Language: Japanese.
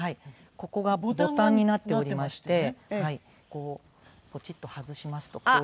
ここがボタンになっておりましてこうポチッと外しますとこういう形で。